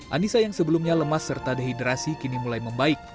anissa yang sebelumnya lemas serta dehidrasi kini mulai membaik